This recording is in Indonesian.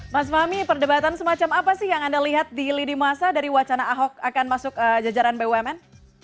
mas fahmi perdebatan semacam apa sih yang anda lihat di lidi masa dari wacana ahok akan masuk jajaran bumn